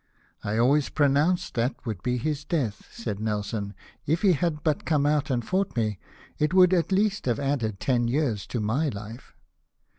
'' I always pronounced that would be his death," said Nelson. "If he had but come out and fought me, it would, at least, have added ten years to my hfe."